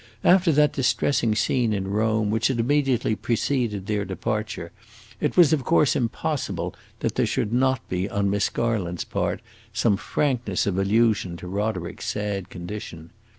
After that distressing scene in Rome which had immediately preceded their departure, it was of course impossible that there should not be on Miss Garland's part some frankness of allusion to Roderick's sad condition.